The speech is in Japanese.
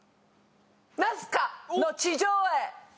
ナスカの地上絵。